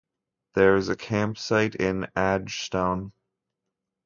There is a campsite in Adgestone.